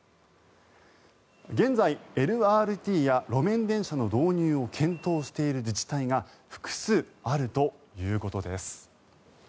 現在、ＬＲＴや路面電車の導入を検討している自治体が複数あるということです。